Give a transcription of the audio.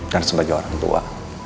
kan sebagai orang tua